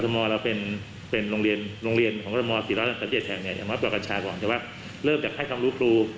มาเปลี่ยวกัญชาก่อนแต่ว่าเริ่มจากให้คำรู้ครู